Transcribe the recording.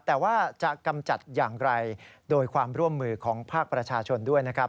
แต่ว่าจะกำจัดอย่างไรโดยความร่วมมือของภาคประชาชนด้วยนะครับ